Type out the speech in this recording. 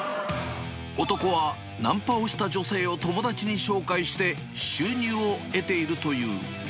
男は、ナンパをした女性を友達に紹介して、収入を得ているという。